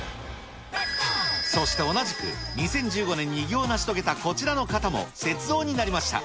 そして同じく、２０１５年に偉業を成し遂げたこちらの方も雪像になりました。